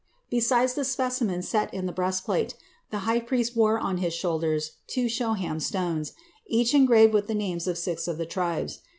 Besides the specimen set in the breastplate, the high priest wore on his shoulders two shoham stones, each engraved with the names of six of the tribes.